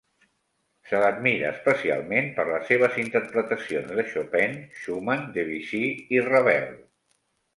Se l'admira especialment per les seves interpretacions de Chopin, Schumann, Debussy i Ravel.